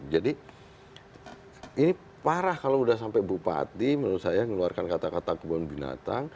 jadi ini parah kalau udah sampai bupati menurut saya mengeluarkan kata kata kebun binatang